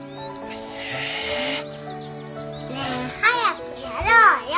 ええ。ねえ早くやろうよ！